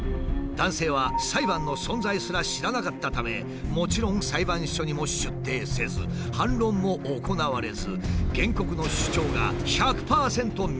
男性は裁判の存在すら知らなかったためもちろん裁判所にも出廷せず反論も行われず原告の主張が１００％認められてしまった。